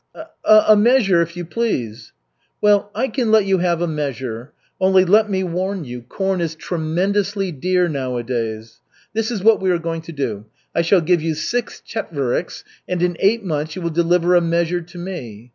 "A measure, if you please." "Well, I can let you have a measure. Only let me warn you, corn is tremendously dear nowadays. This is what we are going to do: I shall give you six chetveriks, and in eight months you will deliver a measure to me.